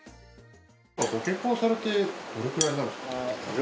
ご結婚されてどれくらいなんですか？